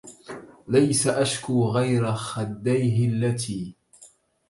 ليس أشكو غير خديه التي